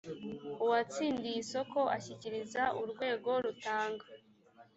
uwatsindiye isoko ashyikiriza urwego rutanga